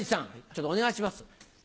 ちょっとお願いします。